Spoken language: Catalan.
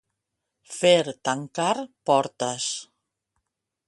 Fer tancar portes.